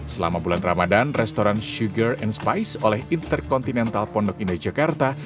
selama bulan ramadhan restoran sugar and spice oleh intercontinental pondok indah jakarta